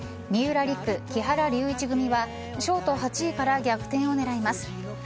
三浦璃来、木原龍一組はショート８位から逆転を狙います。